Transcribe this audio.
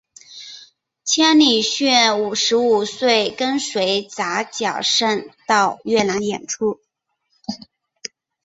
千里驹十五岁跟随扎脚胜到越南演出。